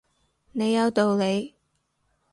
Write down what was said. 你有道理